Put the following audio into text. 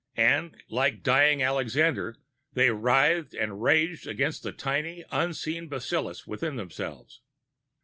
And, like dying Alexander, they writhed and raged against the tiny, unseen bacillus within themselves.